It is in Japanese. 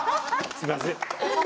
すいません。